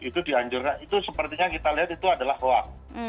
itu di anjurkan itu sepertinya kita lihat itu adalah hoax